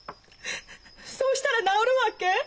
そうしたら治るわけ？